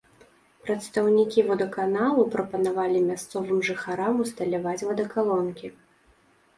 Прадстаўнікі водаканалу прапанавалі мясцовым жыхарам усталяваць вадакалонкі.